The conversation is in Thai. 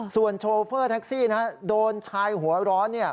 ส่วนโชเฟอร์แท็กซี่โดนชายหัวร้อน